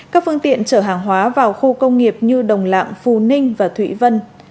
các phương tiện chở hàng hóa vào khu công nghiệp như đồng lạng phù ninh và thụy vân